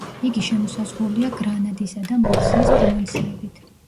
იგი შემოსაზღვრულია გრანადისა და მურსიის პროვინციებით.